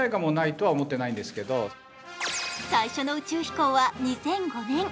最初の宇宙飛行は２００５年。